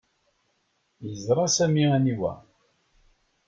Yeẓra Sami aniwa.